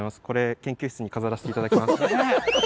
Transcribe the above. これ研究室に飾らせていただきます。